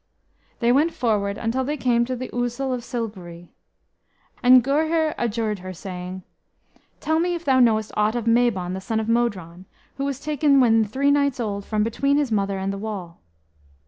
They went forward until they came to the Ousel of Cilgwri. And Gurhyr adjured her, saying, "Tell me if thou knowest aught of Mabon, the son of Modron, who was taken when three nights old from between his mother and the wall?"